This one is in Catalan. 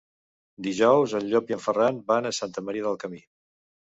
Dijous en Llop i en Ferran van a Santa Maria del Camí.